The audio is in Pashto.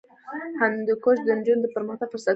هندوکش د نجونو د پرمختګ فرصتونه دي.